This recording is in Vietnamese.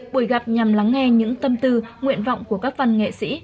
buổi gặp nhằm lắng nghe những tâm tư nguyện vọng của các văn nghệ sĩ